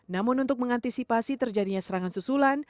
namun untuk mengantisipasi terjadinya serangan susulan